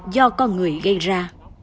do con người gây ra